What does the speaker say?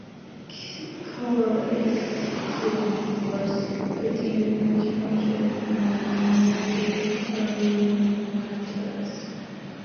Charles Tillon was put in charge of military matters.